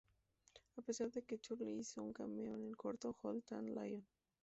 A pesar de que Curly hizo un cameo en el corto "Hold that Lion!